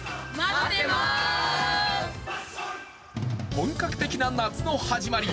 本格的な夏の始まり。